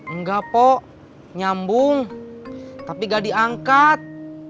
enggak po nyambung tapi gak diangkat